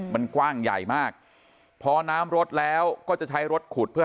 มันกว้างใหญ่มากพอน้ำลดแล้วก็จะใช้รถขุดเพื่อ